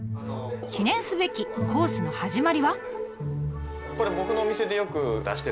記念すべきコースの始まりは。